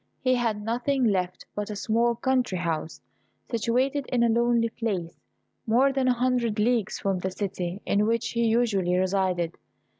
He had nothing left but a small country house, situated in a lonely place, more than a hundred leagues from the city in which he usually resided.